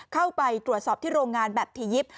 เข้าไปตรวจสอบที่โรงงานแบบทียิปต